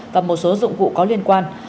và một số dụng cụ có liên quan